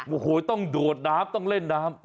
โอ้โหต้องโดดน้ำต้องเล่นน้ำ